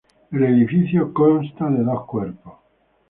El edificio consta de dos cuerpos.